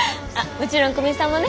もちろん古見さんもね！